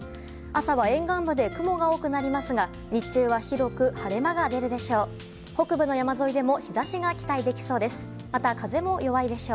朝は沿岸部で雲が多くなりますが日中は広く晴れ間が出るでしょう。